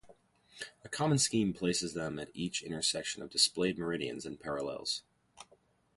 A common scheme places them at each intersection of displayed meridians and parallels.